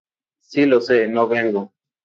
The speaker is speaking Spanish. Si lo sé, no vengo